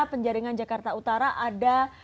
penjaringan jakarta utara ada